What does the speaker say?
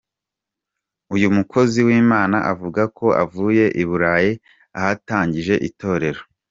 Uyu mukozi w’Imana avuga ko avuye i Burayi ahatangije itorero.